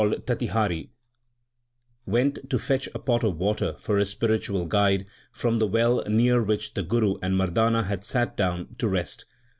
A disciple called Tatihari went to fetch a pot of water for his spiritual guide from the well near which the Guru and Mar dana had sat down to rest.